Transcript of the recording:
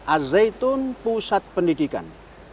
azzaytun pusat pendidikan